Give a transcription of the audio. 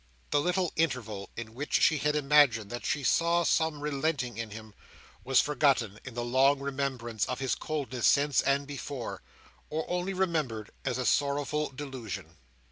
The little interval in which she had imagined that she saw some small relenting in him, was forgotten in the long remembrance of his coldness since and before, or only remembered as a sorrowful delusion.